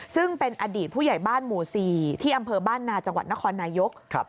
ซึ่งเป็นอดีตผู้ใหญ่บ้านหมู่๔ที่อำเภอบ้านนาจังหวัดนครนายก